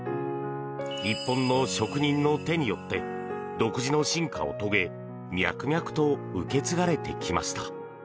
日本の職人の手によって独自の進化を遂げ脈々と受け継がれてきました。